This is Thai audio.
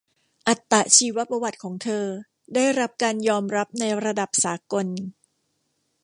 อัตชีวประวัติของเธอได้รับการยอมรับในระดับสากล